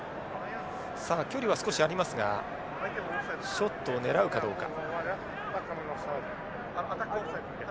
さあ距離は少しありますがショットを狙うかどうか。